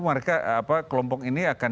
mereka kelompok ini akan